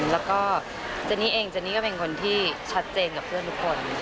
แล้วก็เจนนี่เองเจนี่ก็เป็นคนที่ชัดเจนกับเพื่อนทุกคน